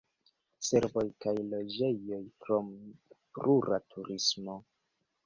Servoj kaj loĝejoj, krom rura turismo.